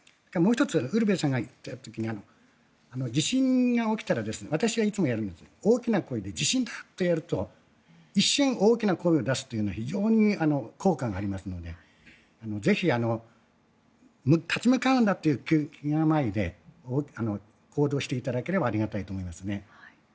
もう１つウルヴェさんが言った地震が起きたら私はいつもやるんですが大きな声で地震だ！とやると一瞬大きな声を出すというのは非常に効果がありますのでぜひ、立ち向かうんだという気構えで行動していただければありがたいと思いますね。